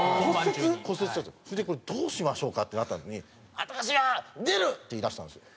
それでこれどうしましょうか？ってなった時に「私は出る！」って言いだしたんですよ。